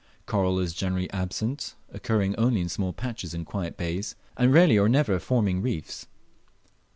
Coral is generally absent, occurring only in small patches in quiet bays, and rarely or never forming reefs.